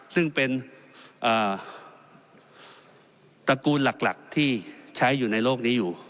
ซึ่งเป็นตระกูลหลักที่ใช้อยู่ในโลกนี้อยู่